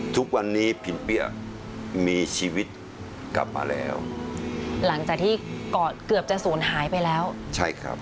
ทุกวันนี้พิมเปี้ยมีชีวิตกลับมาแล้วหลังจากที่กอดเกือบจะศูนย์หายไปแล้วใช่ครับ